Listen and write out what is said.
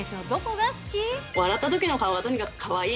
笑ったときの顔がとにかくかわいい。